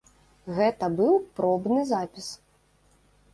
Гэта быў пробны запіс.